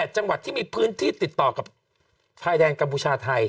จังหวัดที่มีพื้นที่ติดต่อกับชายแดนกัมพูชาไทย